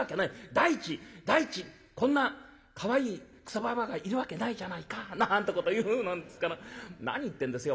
第一第一こんなかわいいクソババアがいるわけないじゃないか』なんてこと言うもんですから『何言ってんですよお前さん